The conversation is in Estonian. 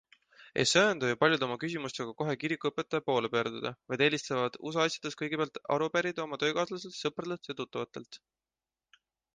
Ei söanda ju paljud oma küsimustega kohe kirikuõpetaja poole pöörduda, vaid eelistavad usuasjades kõigepealt aru pärida oma töökaaslastelt, sõpradelt ja tuttavatelt.